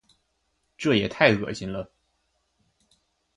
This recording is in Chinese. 这也太恶心了。